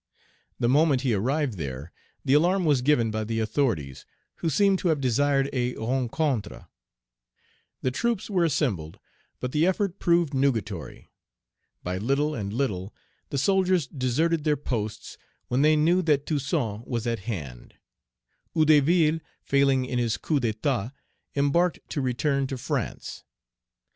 The moment he arrived there, the alarm was given by the authorities, who seem to have desired a rencontre. The troops were assembled, but the effort proved nugatory. By little and little, the soldiers deserted their posts when they knew that Toussaint was at hand. Hédouville, failing in his coup d'état, embarked to return to France.